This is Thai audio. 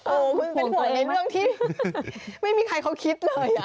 โอ้โหคุณเป็นห่วงในเรื่องที่ไม่มีใครเขาคิดเลย